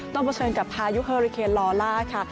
เผชิญกับพายุเฮอริเคนลอล่าค่ะ